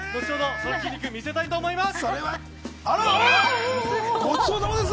その筋肉見せたいと思います。